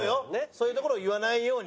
そういうところを言わないように。